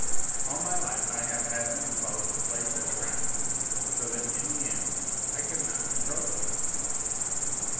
All my life I have had an impulse to play such pranks, so that in the end I could not control it in myself.